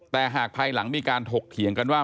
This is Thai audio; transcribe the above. แต่หากภายหลังมีการถกเถียงกันว่า